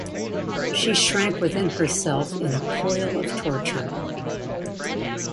She shrank within herself in a coil of torture.